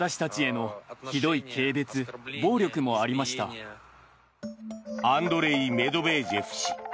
東京海上日動アンドレイ・メドベージェフ氏。